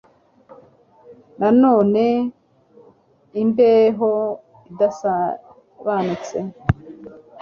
na none, imbeho, idasobanutse